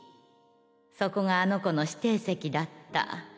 そこがあの子の指定席だった。